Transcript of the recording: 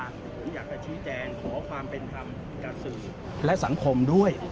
ผมอยากจะชี้แจงขอความเป็นธรรมกับสื่อและสังคมด้วย